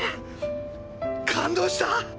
感動した！